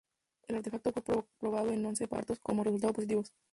El artefacto fue probado en once partos, con resultados positivos.